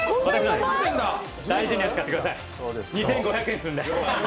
大事に扱ってください、２５００円するので。